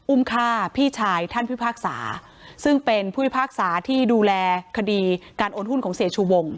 ฆ่าพี่ชายท่านพิพากษาซึ่งเป็นผู้พิพากษาที่ดูแลคดีการโอนหุ้นของเสียชูวง